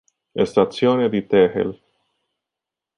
Stazione di Tegel